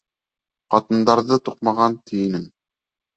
Ҡатындарҙы туҡмаған ти инең.